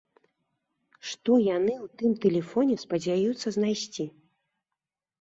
Што яны ў тым тэлефоне спадзяюцца знайсці?